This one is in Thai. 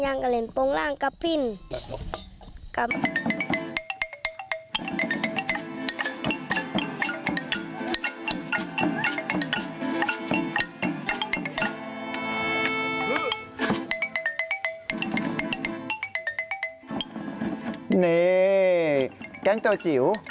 นี่แก๊งตัวจิ๋ว